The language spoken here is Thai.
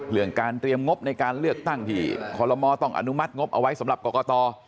เรื่องการเตรียมงบในการเลือกตั้งที่คอลโลมอต้องอนุมัติงบเอาไว้สำหรับกรกต